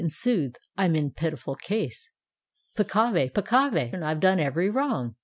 — in sooth I'm in pitiful case. Peccavi! peccavi! — I've done every wrong!